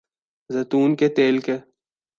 زیتون کے تیل کے